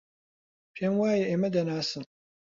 پێم وایە ئێمە دەناسن.